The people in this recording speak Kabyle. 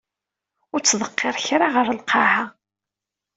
Ur ttḍeqqir kra ɣer lqaɛa.